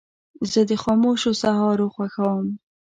زه د خاموشو سهارو خوښوم.